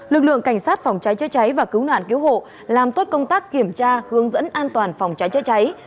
lực lượng cảnh sát phòng cháy chữa cháy và cứu nạn cứu hộ làm tốt công tác kiểm tra hướng dẫn an toàn phòng cháy chữa cháy